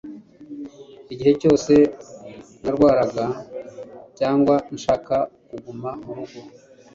igihe cyose narwaraga cyangwa nshaka kuguma murugo